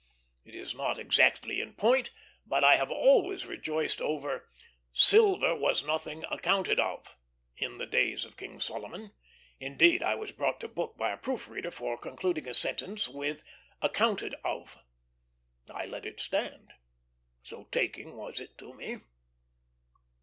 It is not exactly in point, but I have always rejoiced over "Silver was nothing accounted of" in the days of King Solomon; indeed, I was brought to book by a proofreader for concluding a sentence with "accounted of." I let it stand, so taking was it to me.